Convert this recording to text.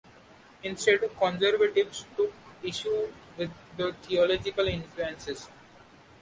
Instead, conservatives took issue with its theological influences.